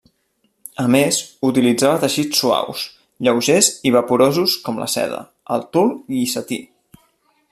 A més, utilitzava teixits suaus, lleugers i vaporosos com la seda, el tul i setí.